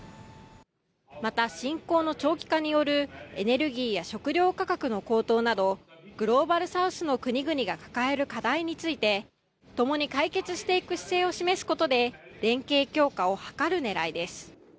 また、侵攻の長期化によるエネルギーや食料価格の高騰などグローバルサウスの国々が抱える課題についてともに解決していく姿勢を示すことで連携強化を図る狙いです。